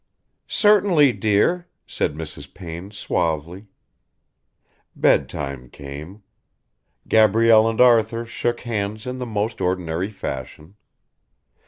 "Certainly, dear," said Mrs. Payne suavely. Bedtime came. Gabrielle and Arthur shook hands in the most ordinary fashion.